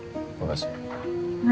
yaudah gue keluar dulu ya